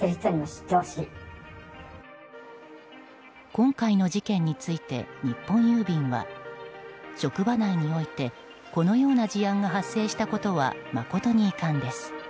今回の事件について日本郵便は職場内においてこのような事案が発生したことは誠に遺憾です。